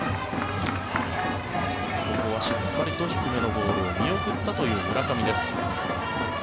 ここはしっかりと低めのボール見送ったという村上です。